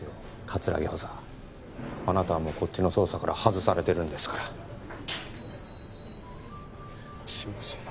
葛城補佐あなたはもうこっちの捜査から外されてるんですからすいません